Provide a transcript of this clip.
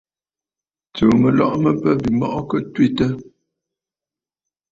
Tsuu mɨlɔ̀ʼɔ̀ mɨ bə̂ bîmɔʼɔ kɨ twitə̂.